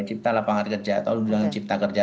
cipta lapangan kerja atau undang undang cipta kerja